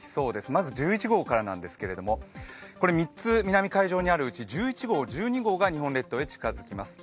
まず１１号からなんですけども３つ南海獣にあるうち１１号、１２号が日本列島に近づきます。